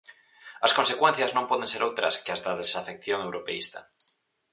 As consecuencias non poden ser outras que as da desafección europeísta.